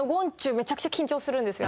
めちゃくちゃ緊張するんですよ